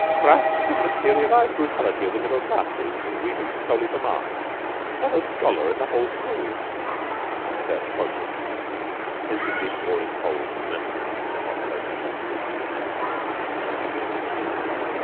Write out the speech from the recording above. "'Crass an' materialized brutality of the middle classes readin' solely for marks. Not a scholar in the whole school,'" McTurk quoted, pensively boring holes in the mantel piece with a hot poker.